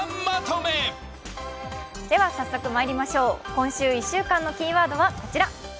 今週１週間のキーワードはこちら。